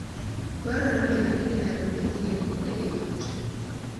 Dwarore bende ni ler obedie ei ot.